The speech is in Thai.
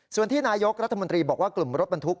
ส่วนที่นายกรัฐมนตรีบอกว่ากลุ่มรถบรรทุก